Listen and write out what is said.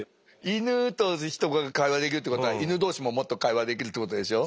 イヌとヒトが会話できるってことはイヌ同士ももっと会話できるってことでしょ？